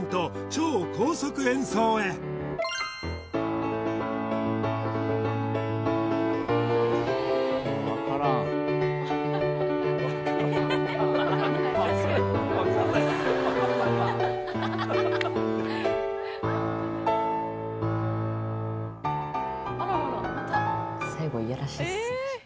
超高速演奏へ最後いやらしいっすね